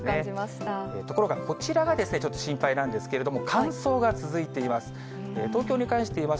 ところが、こちらがちょっと心配なんですけど、乾燥が続いています。